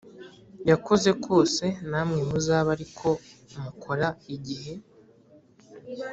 yakoze kose namwe muzabe ari ko mukora igihe